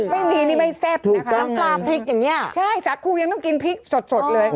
ไม่ดีนี่ไม่แซ่บนะค่ะสัตว์คูยังต้องกินพริกสดเลย